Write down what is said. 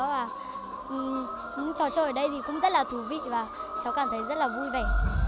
và những trò chơi ở đây thì cũng rất là thú vị và cháu cảm thấy rất là vui vẻ